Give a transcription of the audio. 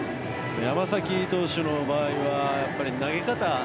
山崎投手の場合はやっぱり投げ方。